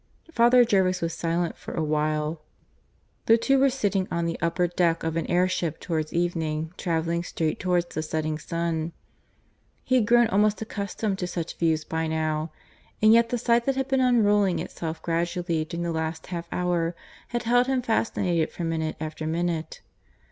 Father Jervis was silent for a while. The two were sitting on the upper deck of an air ship towards evening, travelling straight towards the setting sun. He had grown almost accustomed to such views by now; and yet the sight that had been unrolling itself gradually during the last half hour had held him fascinated for minute after minute.